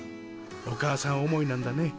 お母さん思いなんだね。